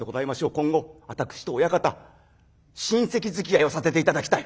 今後私と親方親戚づきあいをさせて頂きたい。